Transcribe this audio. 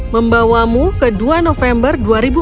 membawamu ke dua november dua ribu empat belas